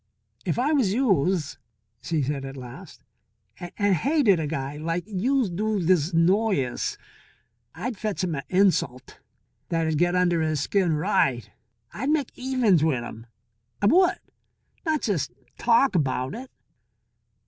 "If I was youse," she said at last, "and hated a guy like youse do this Noyes, I'd fetch 'im a insult that'd get under his skin right. I'd make evens wit' 'im, I would, not jes' talk about it."